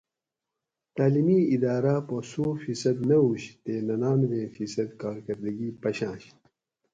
تعلیمی اِداٞراٞ پا سو فی صد نہ ہُوش تے ننانوے فی صد کارکِردگی پشاٞںش